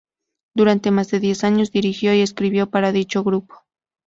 Durante más de diez años dirigió y escribió para dicho grupo.